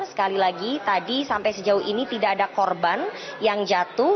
sekali lagi tadi sampai sejauh ini tidak ada korban yang jatuh